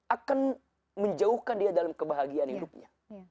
akan menjauhkan dia dalam kebahagiaan hidupnya